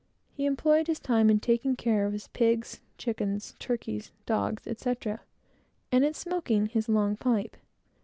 He employed his time in taking care of his pigs, chickens, turkeys, dogs, etc., and in smoking his long pipe.